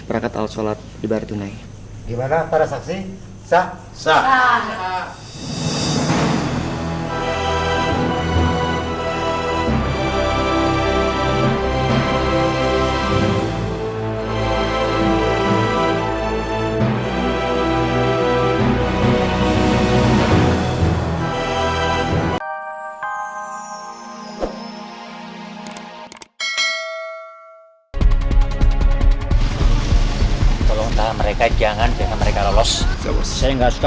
rakyat al sholat di baritunai gimana para saksi sah sah